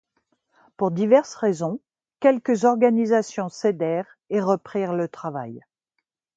Pour diverses raisons, quelques organisations cédèrent et reprirent le travail.